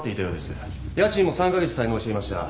家賃も３カ月滞納していました。